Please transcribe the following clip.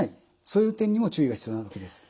そういう点にも注意が必要なわけです。